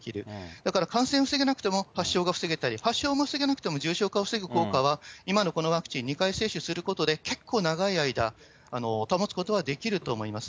だから感染を防げなくても発症が防げたり、発症も防げなくても、重症化を防ぐ効果は、今のこのワクチン、２回接種することで、結構長い間、保つことはできると思います。